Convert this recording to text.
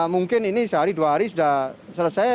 mungkin ini sehari dua hari sudah selesai